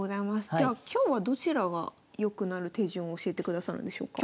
じゃあ今日はどちらが良くなる手順を教えてくださるんでしょうか？